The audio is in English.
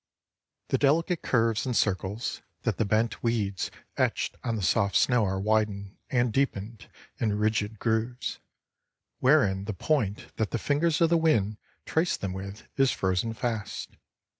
The delicate curves and circles that the bent weeds etched on the soft snow are widened and deepened in rigid grooves, wherein the point that the fingers of the wind traced them with is frozen fast.